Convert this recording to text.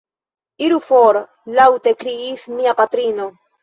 Iru for! laŭte kriis mia patrino.